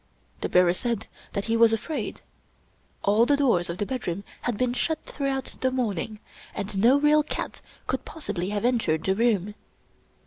The bearer said that he was afraid. All the doors of the bedroom had been shut throughout the morning, and no real cat could possibly have entered the room.